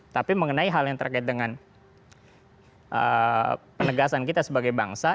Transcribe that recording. tapi mengenai hal yang terkait dengan penegasan kita sebagai bangsa